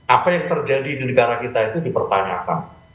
apa yang terjadi di negara kita itu dipertanyakan